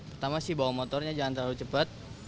pertama sih bawa motornya jangan terlalu cepat